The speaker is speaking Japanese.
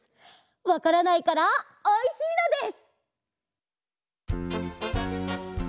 わからないからおいしいのです！